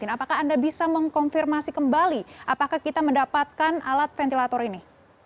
apakah anda bisa mengkonfirmasi kembali apakah kita mendapatkan alat ventilator ini